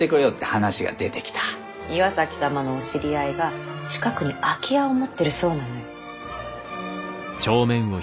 岩崎様のお知り合いが近くに空き家を持ってるそうなのよ。